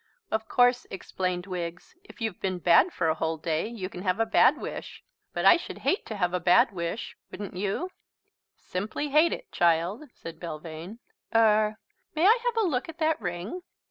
"Of course," explained Wiggs, "if you've been bad for a whole day you can have a bad wish. But I should hate to have a bad wish, wouldn't you?" "Simply hate it, child," said Belvane. "Er may I have a look at that ring?"